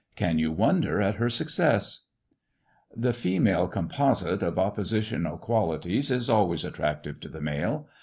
Can you wonder at her success 1 The female composite of oppositional qualities is always attractive to the male.